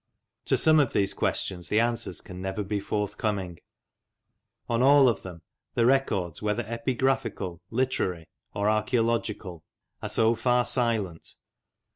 To some of these questions the answers can never be forthcoming. On all of them the records, whether epigraphical, literary, or archaeological, are so far silent.